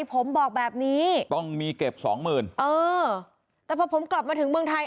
ผมบอกแบบนี้ต้องมีเก็บสองหมื่นเออแต่พอผมกลับมาถึงเมืองไทย